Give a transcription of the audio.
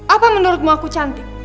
apa menurutmu aku cantik